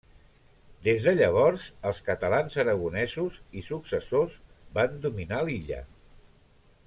Des de llavors els catalans-aragonesos i successors van dominar l'illa.